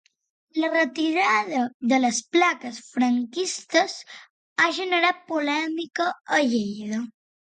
La retirada de les plaques franquistes ha generat polèmica a Lleida.